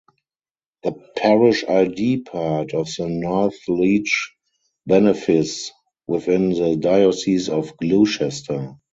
The parish id part of the Northleach benefice within the Diocese of Gloucester.